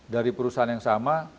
dari perusahaan yang sama